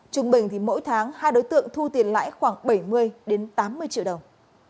trung bình thì mỗi tháng hai đối tượng thu tiền lãi khoảng bảy mươi tám mươi triệu đồng